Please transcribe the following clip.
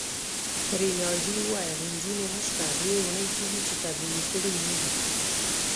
رینالډي وویل: نجونې نشته، دوې اونۍ کیږي چي تبدیلي کړي يې نه دي.